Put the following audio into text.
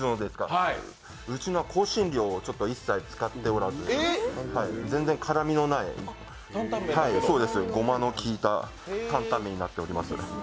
うちのは香辛料を一切使っておらず全然辛みのないごまのきいた坦々麺になっています。